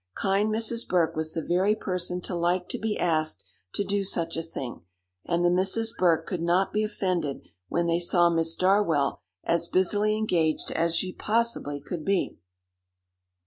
Kind Mrs. Burke was the very person to like to be asked to do such a thing, and the Misses Burke could not be offended when they saw Miss Darwell as busily engaged as she possibly could be.